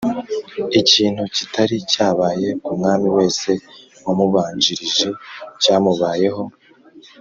Ikintu kitari cyabaye ku mwami wese wamubanjirije, cyamubayeho